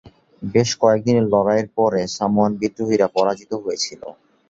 বেশ কয়েক দিনের লড়াইয়ের পরে সামোয়ান বিদ্রোহীরা পরাজিত হয়েছিল।